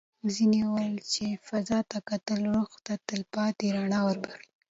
ځینې وویل چې فضا ته کتل روح ته تل پاتې رڼا وربښي.